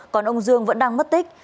còn ông dương vẫn đang mất tích